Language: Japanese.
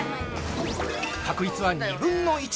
確率は２分の１。